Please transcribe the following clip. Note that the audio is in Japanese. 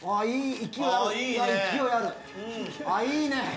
いいね。